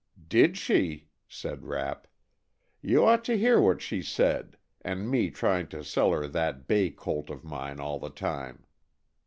"Did she!" said Rapp. "You ought to hear what she said, and me trying to sell her that bay colt of mine all the time.